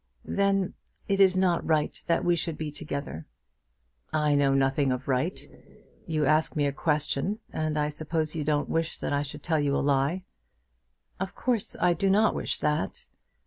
"Then it is not right that we should be together." "I know nothing of right. You ask me a question, and I suppose you don't wish that I should tell you a lie." "Of course I do not wish that."